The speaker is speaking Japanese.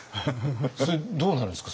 それどうなるんですか？